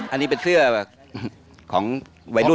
อันนี้เป็นเสื้อของวัยรุ่นของกระโพลนะครับ